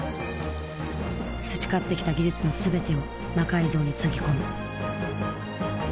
培ってきた技術の全てを魔改造につぎ込む。